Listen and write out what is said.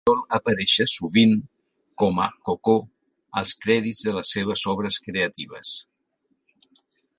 Sol aparèixer sovint com a Coco als crèdits de les seves obres creatives.